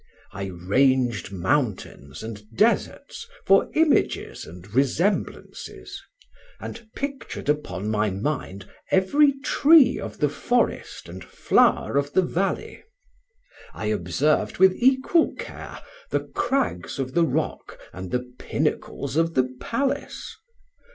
I ranged mountains and deserts for images and resemblances, and pictured upon my mind every tree of the forest and flower of the valley. I observed with equal care the crags of the rock and the pinnacles of the palace.